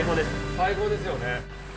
最高ですよね。